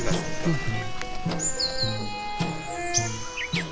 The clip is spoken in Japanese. うん。